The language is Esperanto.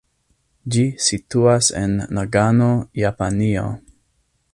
Ĝi situas en Nagano, Japanio.